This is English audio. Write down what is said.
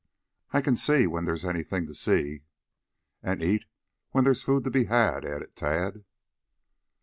"I can see when there's anything to see." "And eat when there's food to be had," added Tad.